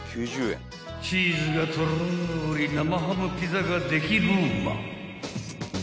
［チーズがとろり生ハムピザができローマ］